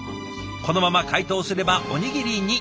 このまま解凍すればおにぎりに。